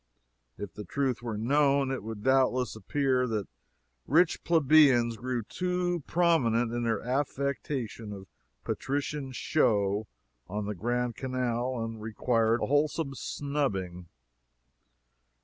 If the truth were known, it would doubtless appear that rich plebeians grew too prominent in their affectation of patrician show on the Grand Canal, and required a wholesome snubbing.